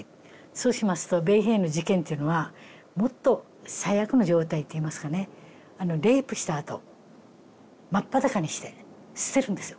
そうしますと米兵の事件というのはもっと最悪の状態っていいますかねあのレイプしたあと真っ裸にして捨てるんですよ